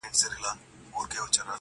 میاشتي کلونه زمانه به ستا وي٫